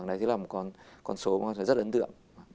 đấy là một con số rất ấn tượng